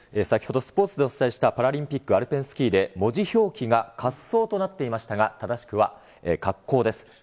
先ほど、スポーツでお伝えしたパラリンピックアルペンスキーで、文字表記が滑走となっていましたが、正しくは滑降です。